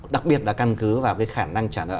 đặc biệt là căn cứ vào cái khả năng trả nợ